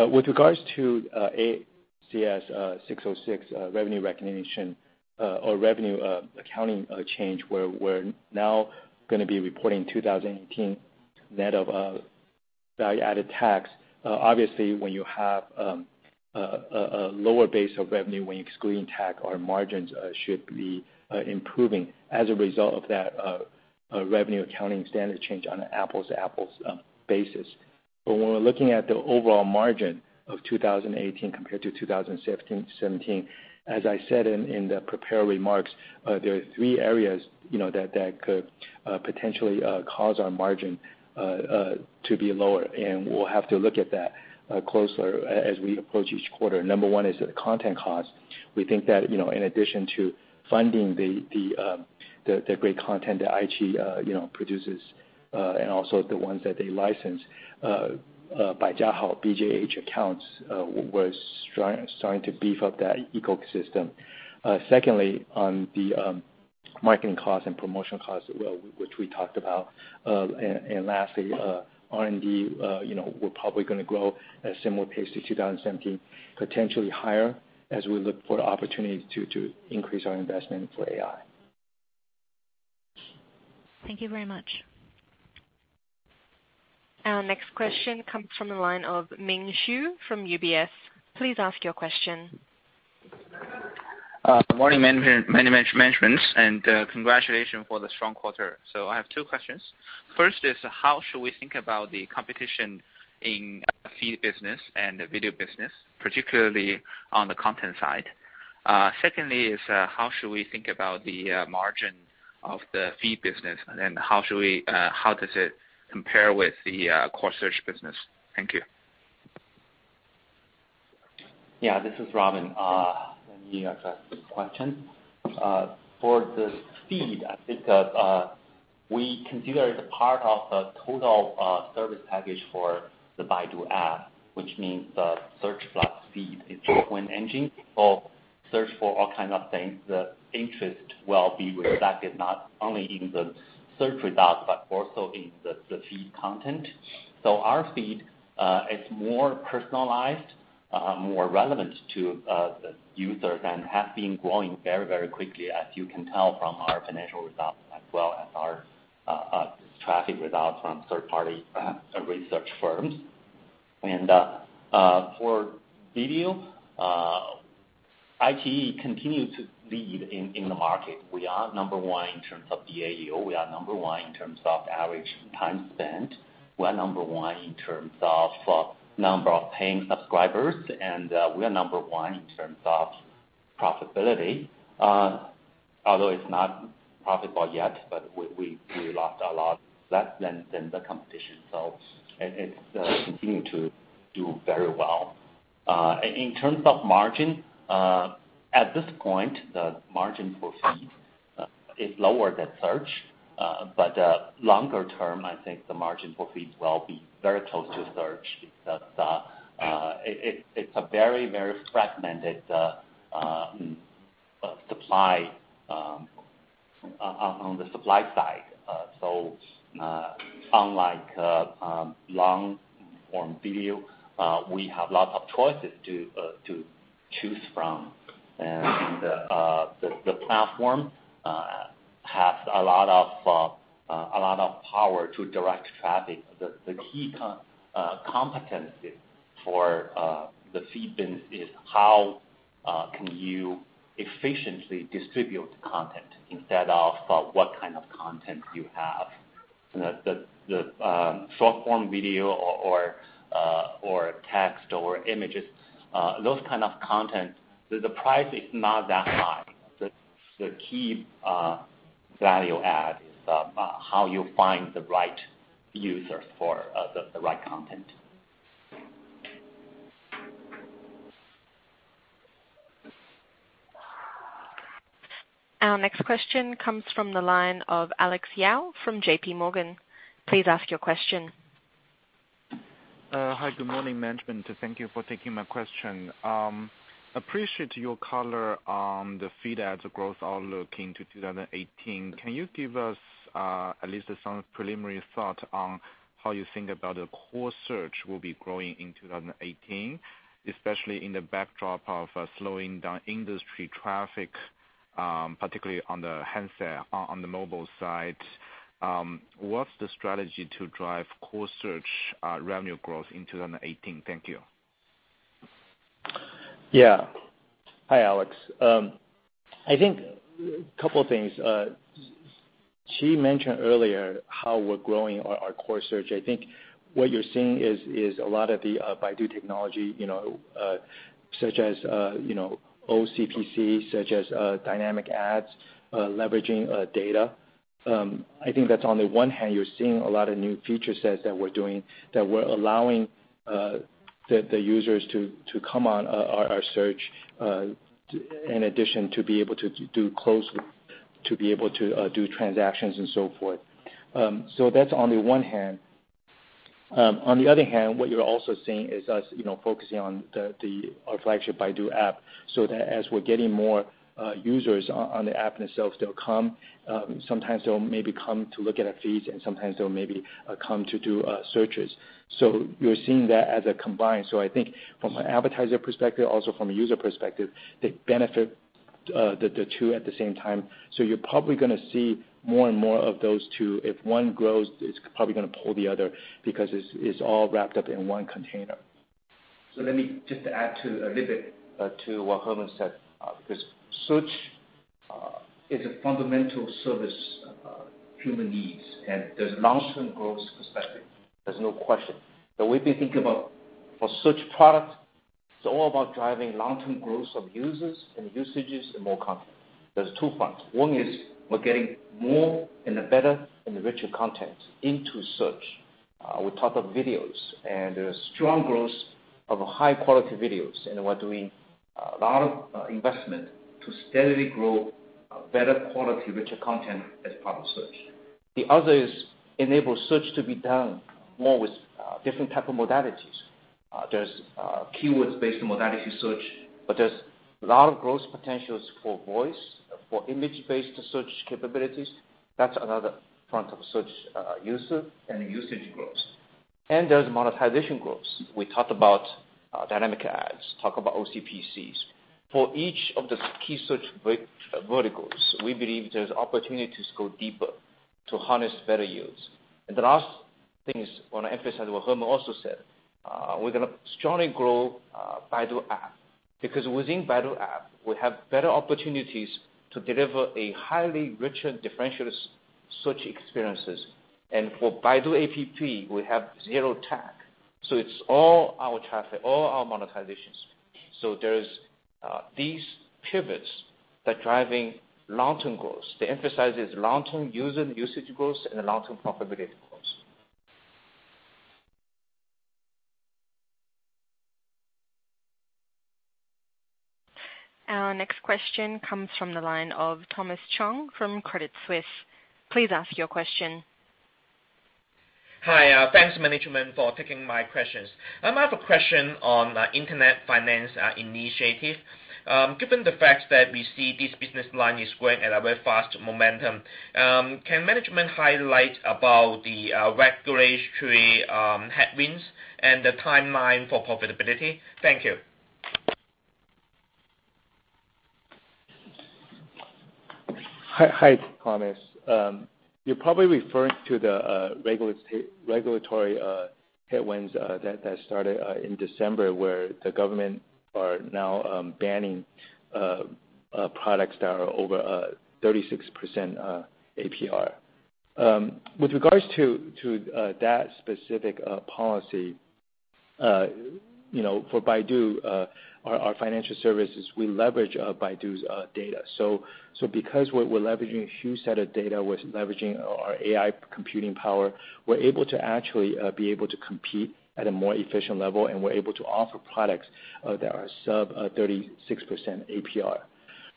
With regards to ASC 606 revenue recognition or revenue accounting change, where we're now going to be reporting 2018 net of value-added tax. Obviously, when you have a lower base of revenue when you're excluding tax, our margins should be improving as a result of that revenue accounting standard change on an apples-to-apples basis. When we're looking at the overall margin of 2018 compared to 2017, as I said in the prepared remarks, there are three areas that could potentially cause our margin to be lower, and we'll have to look at that closer as we approach each quarter. Number one is the content cost. We think that in addition to funding the great content that iQIYI produces and also the ones that they license, Baijiahao, BJH Accounts was starting to beef up that ecosystem. Secondly, on the marketing cost and promotional cost, which we talked about. Lastly, R&D we're probably going to grow at a similar pace to 2017, potentially higher as we look for opportunities to increase our investment for AI. Thank you very much. Our next question comes from the line of Ming Xu from UBS. Please ask your question. Good morning, management, and congratulations for the strong quarter. I have two questions. How should we think about the competition in feed business and the video business, particularly on the content side? How should we think about the margin of the feed business, and how does it compare with the core search business? Thank you. Yeah, this is Robin. Let me address this question. For the feed, I think we consider it a part of a total service package for the Baidu App, which means the search plus feed. It's a twin engine for search for all kind of things. The interest will be reflected not only in the search results but also in the feed content. Our feed is more personalized, more relevant to the user, and has been growing very, very quickly, as you can tell from our financial results, as well as our traffic results from third-party research firms. For video, iQIYI continues to lead in the market. We are number 1 in terms of the DAU. We are number 1 in terms of average time spent. We are number 1 in terms of number of paying subscribers, and we are number 1 in terms of profitability. Although it's not profitable yet, we lost a lot less than the competition. It's continuing to do very well. In terms of margin, at this point, the margin for feed is lower than search. Longer term, I think the margin for feeds will be very close to search because it's a very, very fragmented supply on the supply side. Unlike long-form video, we have lots of choices to choose from. The platform has a lot of power to direct traffic. The key competency for the feed business is how can you efficiently distribute content instead of what kind of content you have. The short-form video or text or images, those kind of content, the price is not that high. The key value add is how you find the right users for the right content. Our next question comes from the line of Alex Yao from JP Morgan. Please ask your question. Hi, good morning, management. Thank you for taking my question. Appreciate your color on the feed ads growth outlook into 2018. Can you give us at least some preliminary thought on how you think about the core search will be growing in 2018, especially in the backdrop of slowing down industry traffic, particularly on the mobile side? What's the strategy to drive core search revenue growth in 2018? Thank you. Yeah. Hi, Alex. I think a couple of things. Qi mentioned earlier how we're growing our core search. I think what you're seeing is a lot of the Baidu technology, such as OCPC, such as dynamic ads, leveraging data. I think that's on the one hand, you're seeing a lot of new feature sets that we're doing that we're allowing the users to come on our search, in addition to be able to do transactions and so forth. That's on the one hand. On the other hand, what you're also seeing is us focusing on our flagship Baidu App, that as we're getting more users on the app themselves, they'll come. Sometimes they'll maybe come to look at our feeds, and sometimes they'll maybe come to do searches. You're seeing that as a combined. I think from an advertiser perspective, also from a user perspective, they benefit the two at the same time. You're probably going to see more and more of those two. If one grows, it's probably going to pull the other because it's all wrapped up in one container. Let me just add a little bit to what Herman said, because search is a fundamental service human needs, and there's long-term growth perspective. There's no question. The way we think about for search product, it's all about driving long-term growth of users and usages and more content. There's two fronts. One is we're getting more and better and richer content into search. We talk of videos, and there's strong growth of high-quality videos, and we're doing a lot of investment to steadily grow better quality, richer content as part of search. The other is enable search to be done more with different type of modalities. There's keywords based on modality search, but there's a lot of growth potentials for voice, for image-based search capabilities. That's another front of search user and usage growth There's monetization growth. We talked about dynamic ads, talked about OCPCs. For each of the key search verticals, we believe there's opportunities to go deeper to harness better use. The last thing is I want to emphasize what Herman also said. We're going to strongly grow Baidu App, because within Baidu App, we have better opportunities to deliver a highly rich and differentiated search experiences. For Baidu App, we have zero TAC. It's all our traffic, all our monetizations. There's these pivots that driving long-term growth. To emphasize is long-term user usage growth and long-term profitability growth. Our next question comes from the line of Thomas Chong from Credit Suisse. Please ask your question. Hi. Thanks management for taking my questions. I have a question on internet finance initiative. Given the fact that we see this business line is growing at a very fast momentum, can management highlight about the regulatory headwinds and the timeline for profitability? Thank you. Hi, Thomas. You're probably referring to the regulatory headwinds that started in December where the government are now banning products that are over 36% APR. With regards to that specific policy for Baidu, our financial services, we leverage Baidu's data. Because we're leveraging a huge set of data, we're leveraging our AI computing power, we're able to actually be able to compete at a more efficient level, and we're able to offer products that are sub 36% APR.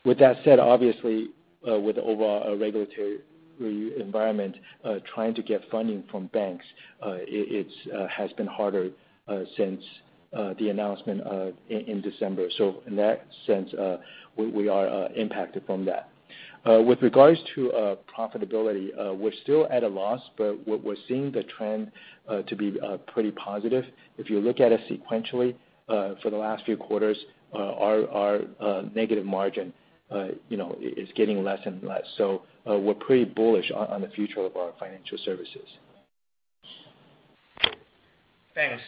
With that said, obviously, with the overall regulatory environment, trying to get funding from banks, it has been harder since the announcement in December. In that sense, we are impacted from that. With regards to profitability, we're still at a loss, but we're seeing the trend to be pretty positive. If you look at it sequentially, for the last few quarters, our negative margin is getting less and less. We're pretty bullish on the future of our financial services. Thanks.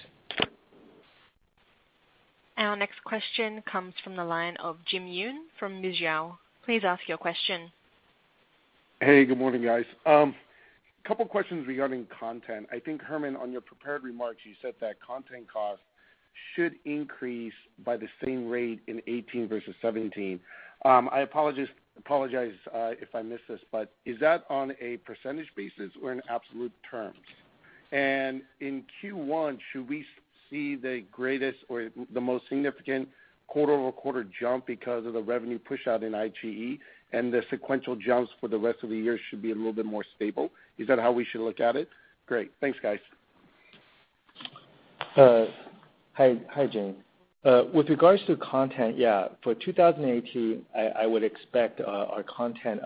Our next question comes from the line of Jim Yun from Mizuho. Please ask your question. Hey, good morning, guys. Couple questions regarding content. I think Herman, on your prepared remarks, you said that content cost should increase by the same rate in 2018 versus 2017. I apologize if I missed this, is that on a percentage basis or in absolute terms? In Q1, should we see the greatest or the most significant quarter-over-quarter jump because of the revenue pushout in iQIYI and the sequential jumps for the rest of the year should be a little bit more stable? Is that how we should look at it? Great. Thanks, guys. Hi, Jim. With regards to content, yeah, for 2018, I would expect our content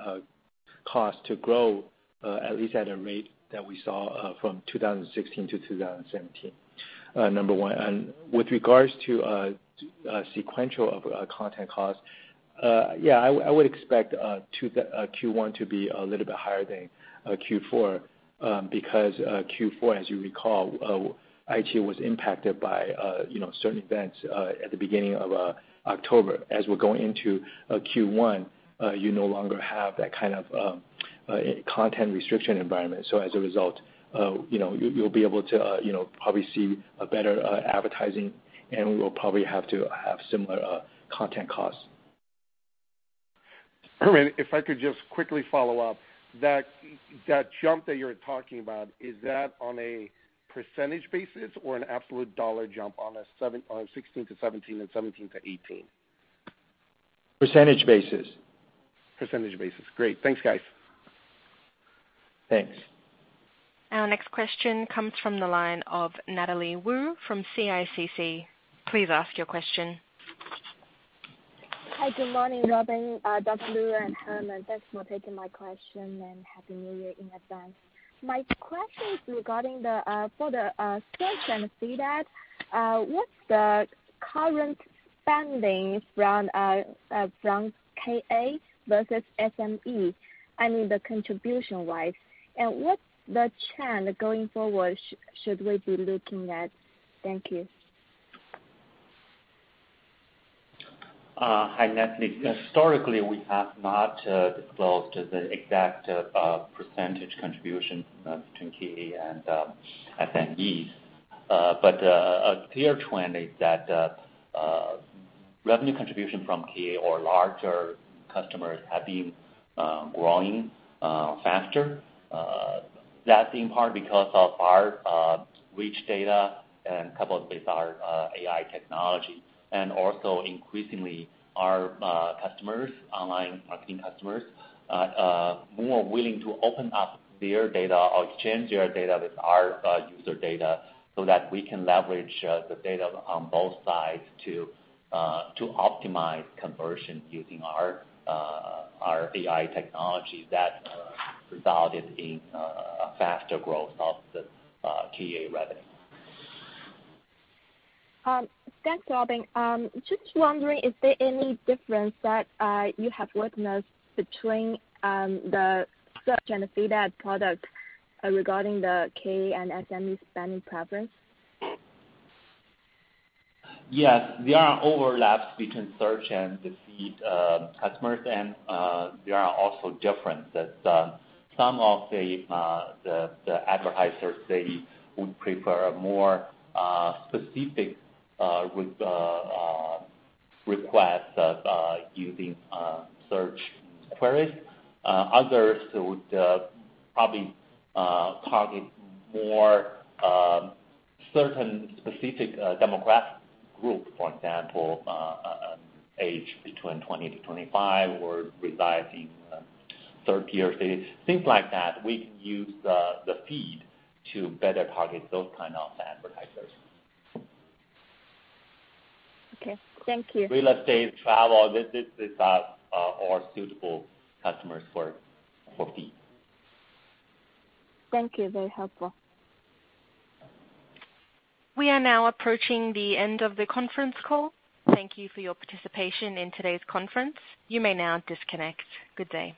cost to grow at least at a rate that we saw from 2016 to 2017, number one. With regards to sequential content cost, yeah, I would expect Q1 to be a little bit higher than Q4 because Q4, as you recall, iQIYI was impacted by certain events at the beginning of October. As we're going into Q1, you no longer have that kind of content restriction environment. As a result, you'll be able to probably see a better advertising, and we will probably have to have similar content costs. Herman, if I could just quickly follow up. That jump that you're talking about, is that on a percentage basis or an absolute dollar jump on 2016 to 2017 and 2017 to 2018? Percentage basis. Percentage basis. Great. Thanks, guys. Thanks. Our next question comes from the line of Natalie Wu from CICC. Please ask your question. Hi. Good morning, Robin, Dr. Lu, and Herman. Thanks for taking my question, and Happy New Year in advance. My question is regarding for the search and feed ad, what's the current spendings from KA versus SME, I mean, the contribution-wise? What's the trend going forward should we be looking at? Thank you. Hi, Natalie. Historically, we have not disclosed the exact percentage contribution between KA and SMEs. A clear trend is that revenue contribution from KA or larger customers have been growing faster. That being part because of our rich data and coupled with our AI technology. Also increasingly, our customers, online marketing customers, more willing to open up their data or exchange their data with our user data so that we can leverage the data on both sides to optimize conversion using our AI technology that resulted in a faster growth of the KA revenue. Thanks, Robin. Just wondering, is there any difference that you have witnessed between the search and feed ad product regarding the KA and SME spending preference? Yes, there are overlaps between search and the feed customers, and there are also differences. Some of the advertisers, they would prefer a more specific request of using search queries. Others would probably target more certain specific demographic group. For example, age between 20 to 25 or resides in 3 tier cities, things like that. We can use the feed to better target those kind of advertisers. Okay. Thank you. Real estate, travel, this are all suitable customers for feed. Thank you. Very helpful. We are now approaching the end of the conference call. Thank you for your participation in today's conference. You may now disconnect. Good day.